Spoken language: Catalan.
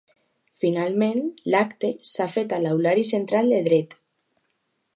Finalment, l’acte s’ha fet a l’aulari central de Dret.